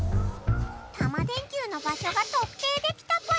タマ電Ｑの場しょがとくていできたぽよ。